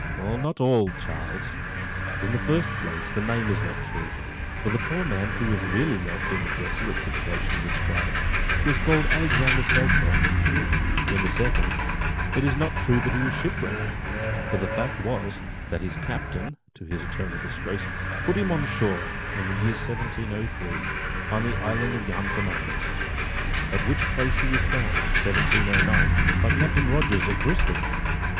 "Not all, Charles. In the first place, the name is not true; for the poor man who was really left in the desolate situation described, was called Alexander Selkirk; in the second, it is not true that he was shipwrecked, for the fact was, that his captain, to his eternal disgrace, put him on shore, in the year 1703, on the island of Juan Fernandez, at which place he was found, in 1709, by Captain Rogers of Bristol.